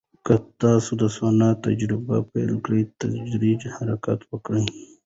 که تاسو د سونا تجربه پیل کوئ، تدریجي حرکت وکړئ.